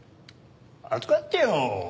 預かってよ。